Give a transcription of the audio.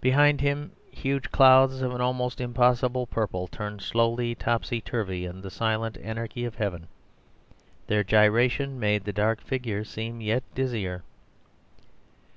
Behind him, huge clouds of an almost impossible purple turned slowly topsy turvy in the silent anarchy of heaven. Their gyration made the dark figure seem yet dizzier.